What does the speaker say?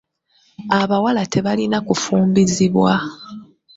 Abawala tebalina kufumbizibwa